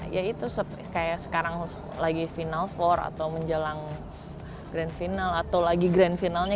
ya itu kayak sekarang lagi final empat atau menjelang grand final atau lagi grand finalnya